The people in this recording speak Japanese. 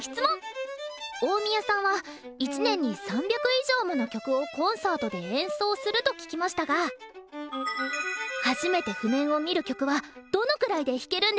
大宮さんは一年に３００以上もの曲をコンサートで演奏すると聞きましたが初めて譜面を見る曲はどのくらいで弾けるんですか？